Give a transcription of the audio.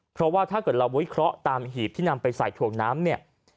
เพราะว่าถ้าเกิดเราวิเคราะห์ตามหีบที่นำไปใส่ถ่วงน้ำเนี่ย